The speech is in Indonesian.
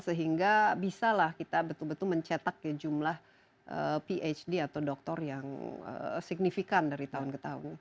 sehingga bisa lah kita betul betul mencetak jumlah phd atau doktor yang signifikan dari tahun ke tahun